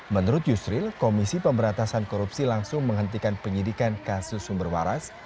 menurut yusril komisi pemberantasan korupsi langsung menghentikan penyidikan kasus sumber waras